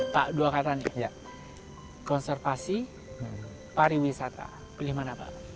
pak dua katanya konservasi pariwisata pilih mana pak